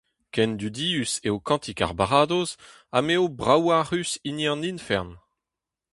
Ken dudius eo kantik ar Baradoz ha m'eo braouac'hus hini an Ifern.